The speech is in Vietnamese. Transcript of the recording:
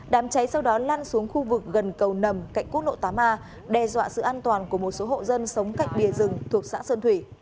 đám cháy sau đó lan xuống khu vực gần cầu nằm cạnh quốc lộ tám a đe dọa sự an toàn của một số hộ dân sống cạnh bìa rừng thuộc xã sơn thủy